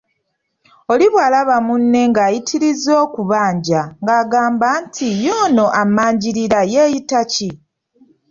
Oli bw'alaba munne ng'ayitirizza okubanja ng'agamba nti, y'ono ammanjirira yeeyita ki?